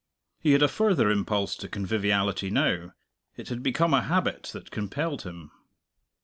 He had a further impulse to conviviality now. It had become a habit that compelled him.